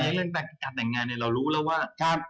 เรื่องการแต่งงานเรารู้แล้วว่า